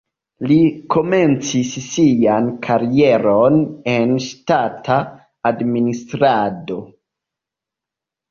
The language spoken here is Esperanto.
Li komencis sian karieron en ŝtata administrado.